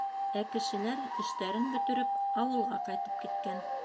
Ә кешеләр, эштәрен бөтөрөп, ауылға ҡайтып киткән.